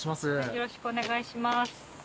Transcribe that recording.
よろしくお願いします。